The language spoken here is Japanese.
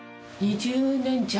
２０年弱？